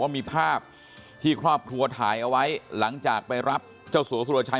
มีภาพที่ครอบครัวถ่ายเอาไว้หลังจากไปรับเจ้าสัวสุรชัย